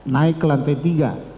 naik ke lantai tiga